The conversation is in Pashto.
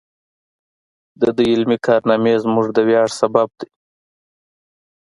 د دوی علمي کارنامې زموږ د ویاړ سبب دی.